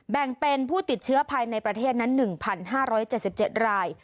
แบ่งเป็นผู้ติดเชื้อภายในประเทศนั้น๑๕๗๗ราย